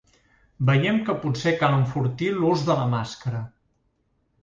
Veiem que potser cal enfortir l’ús de la màscara.